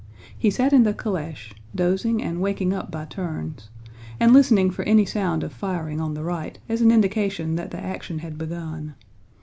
He sat in the calèche, dozing and waking up by turns, and listening for any sound of firing on the right as an indication that the action had begun.